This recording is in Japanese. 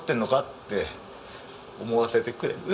って思わせてくれる。